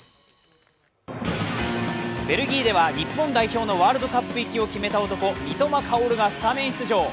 ベルギーでは日本代表のワールドカップ行きを決めた男、三笘薫がスタメン出場。